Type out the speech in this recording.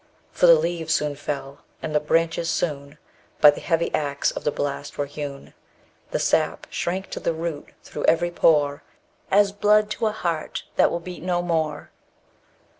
For the leaves soon fell, and the branches soon By the heavy axe of the blast were hewn; The sap shrank to the root through every pore As blood to a heart that will beat no more.